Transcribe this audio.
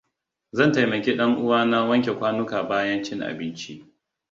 Zan taimaki ɗan uwana wanke kwanuka bayan cin abinci.